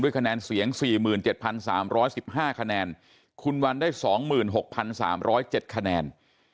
คะแนนเสียง๔๗๓๑๕คะแนนคุณวันได้๒๖๓๐๗คะแนน